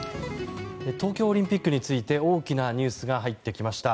東京オリンピックについて大きなニュースが入ってきました。